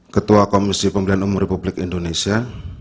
ketua komisi pemilihan umum republik indonesia